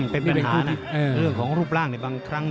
เป็นปัญหานะเรื่องของรูปร่างในบางครั้ง